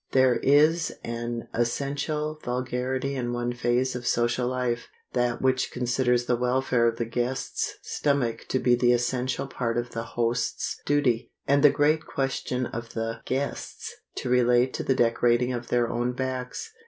There is an essential vulgarity in one phase of social life,—that which considers the welfare of the guest's stomach to be the essential part of the host's duty, and the great question of the guests to relate to the decorating of their own backs.